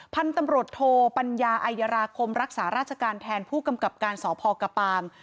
พันธุ์ตำรวจโทปัญญาอายราคมรักษาราชการแทนผู้กำกับการสพกปาง